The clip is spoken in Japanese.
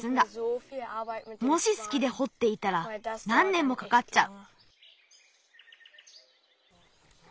もしすきでほっていたらなんねんもかかっちゃう。